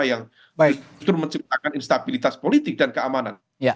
yang menciptakan instabilitas politik dan keamanan